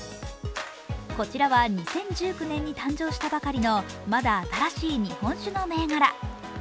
こちらは２０１９年に誕生したばかりのまだ新しい日本酒の銘柄。